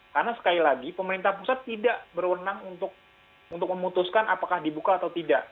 karena sekali lagi pemerintah pusat tidak berwenang untuk memutuskan apakah dibuka atau tidak